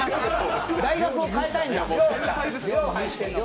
大学を変えたいんだ。